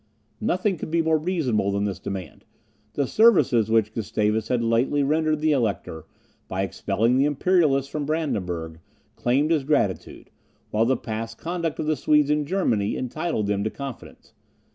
Nothing could be more reasonable than this demand. The services which Gustavus had lately rendered the Elector, by expelling the Imperialists from Brandenburg, claimed his gratitude, while the past conduct of the Swedes in Germany entitled them to confidence.